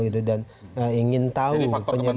dan ingin tahu penyebabnya